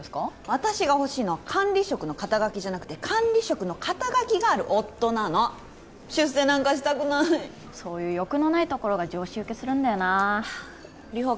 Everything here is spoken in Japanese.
私が欲しいのは管理職の肩書じゃなくて管理職の肩書がある夫なの出世なんかしたくないそういう欲のないところが上司受けするんだよな理歩